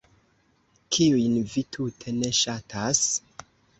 Kiujn vi tute ne ŝatas?